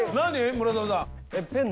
村雨さん。